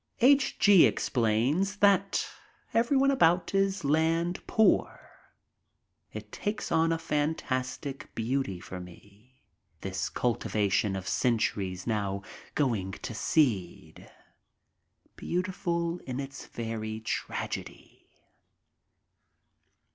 H. G. explains that everyone about is land poor. It takes on a fantastic beauty for me, this cultivation of centuries now going to seed, beautiful in its very tragedy.